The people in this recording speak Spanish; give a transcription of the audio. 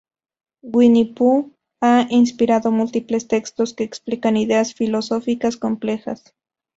Winnie Pooh ha inspirado múltiples textos que explican ideas filosóficas complejas.